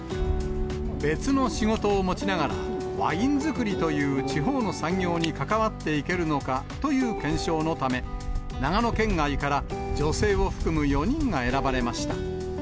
別の仕事を持ちながら、ワイン造りという地方の産業に関わっていけるのかという検証のため、長野県外から女性を含む４人が選ばれました。